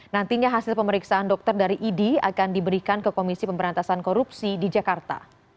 nantinya hasil pemeriksaan dokter dari tim dokter indonesia pusat